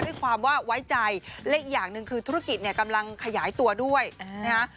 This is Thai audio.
ด้วยความว่าไว้ใจและอีกอย่างหนึ่งคือธุรกิจเนี่ยกำลังขยายตัวด้วยนะฮะ